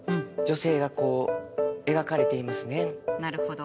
なるほど。